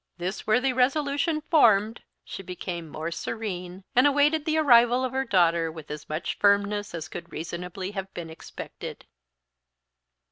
This worthy resolution formed, she became more serene and awaited the arrival of her daughter with as much firmness as could reasonably have been expected.